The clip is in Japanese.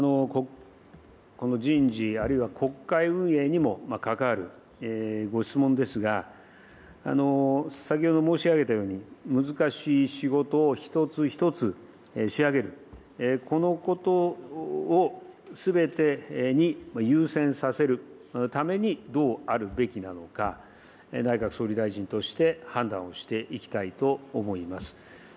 この人事あるいは国会運営にも関わるご質問ですが、先ほど申し上げたように、難しい仕事を一つ一つ仕上げる、このことをすべてに優先させるためにどうあるべきなのか、内閣総理大臣として判断をしていきたいと思います。